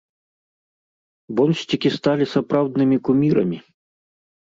Бонсцікі сталі сапраўднымі кумірамі!